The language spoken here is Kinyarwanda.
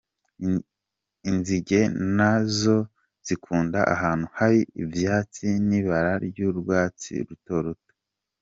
Inzige na zo zikunda ahantu hari ivyatsi n'ibara ry'urwatsi rutoto.